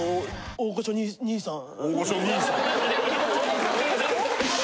大御所兄さん。